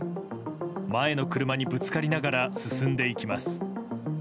前の車にぶつかりながら進んでいきます。